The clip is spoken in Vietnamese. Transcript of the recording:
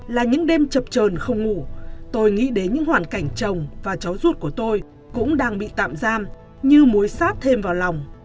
là những đêm chập trờn không ngủ tôi nghĩ đến những hoàn cảnh chồng và cháu ruột của tôi cũng đang bị tạm giam như mối sát thêm vào lòng